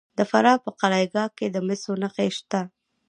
د فراه په قلعه کاه کې د مسو نښې شته.